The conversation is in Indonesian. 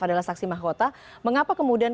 adalah saksi mahkota mengapa kemudian